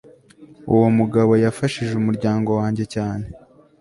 Uwo mugabo yafashije umuryango wanjye cyane